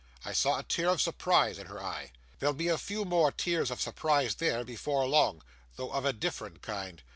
I saw a tear of surprise in her eye. There'll be a few more tears of surprise there before long, though of a different kind.